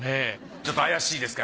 ちょっと怪しいですか？